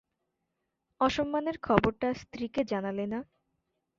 অসম্মানের খবরটা স্ত্রীকে জানালে না।